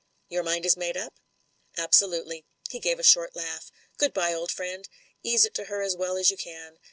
"Your mind is made up?" "Absolutely." He gave a short laugh. "Good bye, old friend. Ease it to her as well as you can.